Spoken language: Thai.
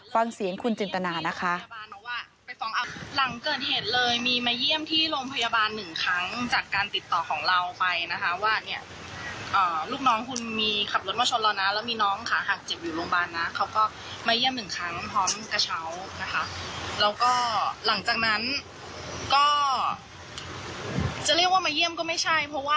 ฟังเสียงคุณจินตนานะคะ